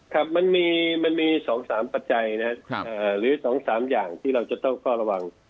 ครับมันมี๒๓ปัจจัยนะครับหรือ๒๓อย่างที่เราจะต้องเฝ้าระวัง